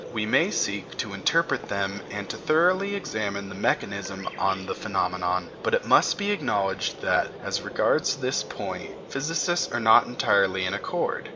We may seek to interpret them and to thoroughly examine the mechanism of the phenomenon; but it must be acknowledged that as regards this point, physicists are not entirely in accord.